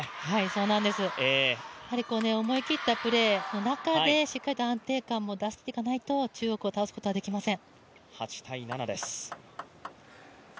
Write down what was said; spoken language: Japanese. そうなんです、思い切ったプレーの中で、しっかりと安定感も出していかないと、中国を倒すことはできません。